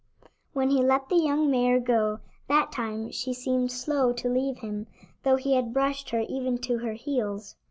When he let the young mare go that time she seemed slow to leave him, though he had brushed her even to her heels.